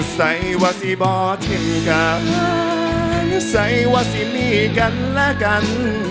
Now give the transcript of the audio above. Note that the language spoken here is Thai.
ใส่ว่าสิบอทินกันใส่ว่าสิมีกันและกัน